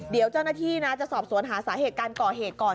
เดี๋ยวเจ้าหน้าที่นะจะสอบสวนหาสาเหตุการก่อเหตุก่อน